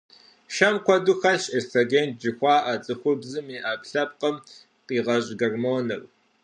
Шэм куэду хэлъщ эстроген жыхуаӀэ, цӀыхубзым и Ӏэпкълъэпкъым къигъэщӀ гормоныр.